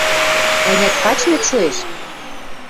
Ӓнят, качмет шоэш?